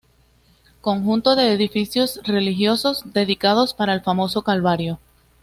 Conjunto de edificios religiosos dedicados para el famoso "Calvario".